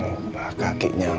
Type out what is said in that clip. jangan klari dengan zamar